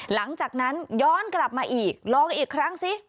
หลังจากนั้นย้อนกลับมาอีกลองอีกครั้งสิ